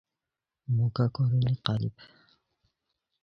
موکہ کورینی قالیپ